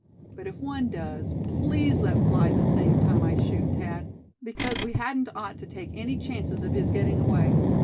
But if one does, please let fly the same time I shoot, Thad; because we hadn't ought to take any chances of his getting away.